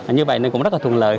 như vậy nên cũng rất là thuận lợi